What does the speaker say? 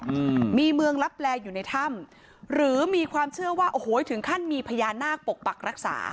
อืมมีเมืองลับแลอยู่ในถ้ำหรือมีความเชื่อว่าโอ้โหถึงขั้นมีพญานาคปกปักรักษา